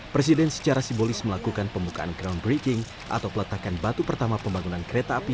presiden secara simbolis melakukan pembukaan groundbreaking atau peletakan batu pertama pembangunan kereta api